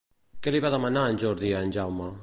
Què li va demanar en Jordi a en Jaume?